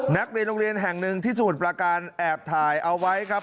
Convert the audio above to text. นักเรียนโรงเรียนแห่งหนึ่งที่สมุทรประการแอบถ่ายเอาไว้ครับ